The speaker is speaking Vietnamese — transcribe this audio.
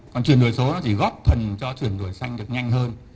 còn chuyển đổi số nó chỉ góp phần cho chuyển đổi xanh được nhanh hơn